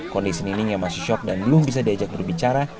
kondisi nining yang masih shock dan belum bisa diajak berbicara